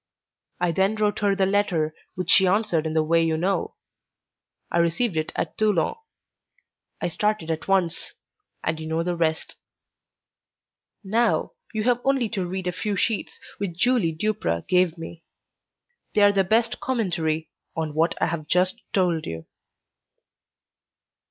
I then wrote her the letter which she answered in the way you know; I received it at Toulon. I started at once, and you know the rest. Now you have only to read a few sheets which Julie Duprat gave me; they are the best commentary on what I have just told you.